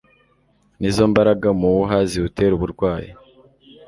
nizo mbaraga muwuha ziwutera uburwayi